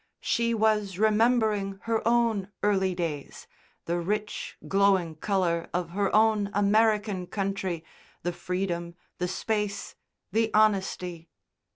She was remembering her own early days, the rich glowing colour of her own American country, the freedom, the space, the honesty.